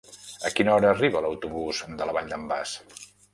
A quina hora arriba l'autobús de la Vall d'en Bas?